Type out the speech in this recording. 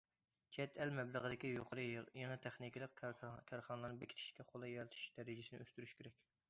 چەت ئەل مەبلىغىدىكى يۇقىرى، يېڭى تېخنىكىلىق كارخانىلارنى بېكىتىشكە قولايلىق يارىتىش دەرىجىسىنى ئۆستۈرۈش كېرەك.